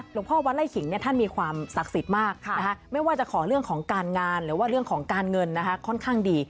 พ่อวัดไล่ขิงท่านมีความศักดิ์สิทธิ์มากไม่ว่าจะขอเรื่องของการงานหรือว่าเรื่องของการเงินนะคะค่อนข้างดี